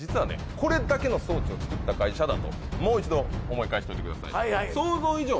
これだけの装置を作った会社だともう一度思い返しといてください